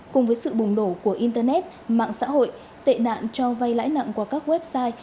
cùng với sự bùng đổ của internet mạng xã hội tệ nạn cho vay lãi nặng qua các website